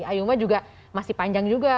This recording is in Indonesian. ayuma juga masih panjang juga